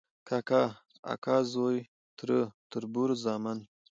کاکا، اکا زوی ، تره، تربور، زامن ،